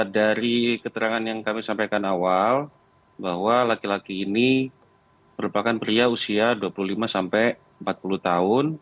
dari keterangan yang kami sampaikan awal bahwa laki laki ini merupakan pria usia dua puluh lima sampai empat puluh tahun